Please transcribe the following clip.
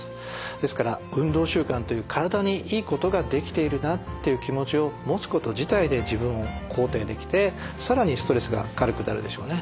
ですから運動習慣という体にいいことができているなっていう気持ちを持つこと自体で自分を肯定できてさらにストレスが軽くなるでしょうね。